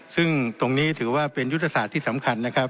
ซึ่งตรงนี้ถือว่าเป็นยุทธศาสตร์ที่สำคัญนะครับ